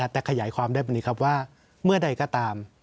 แต่ขยายความได้วันนี้ครับว่าเมื่อใดก็ตาม